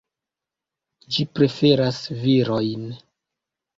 Ĝi preferas virojn.